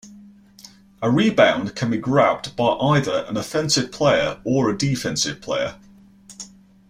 A rebound can be grabbed by either an offensive player or a defensive player.